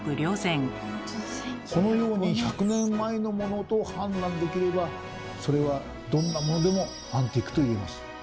このように１００年前のモノと判断できればそれはどんなものでもアンティークと言えます。